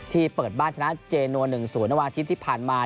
เปิดบ้านชนะเจนัว๑๐วันอาทิตย์ที่ผ่านมา